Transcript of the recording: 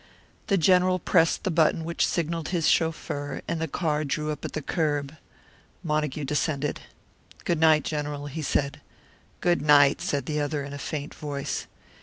The General pressed the button which signalled his chauffeur, and the car drew up at the curb. Montague descended. "Good night, General," he said. "Good night," said the other, in a faint voice.